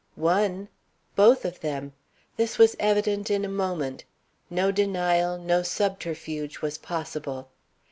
One? Both of them! This was evident in a moment. No denial, no subterfuge was possible.